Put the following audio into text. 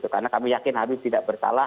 karena kami yakin habib tidak bersalah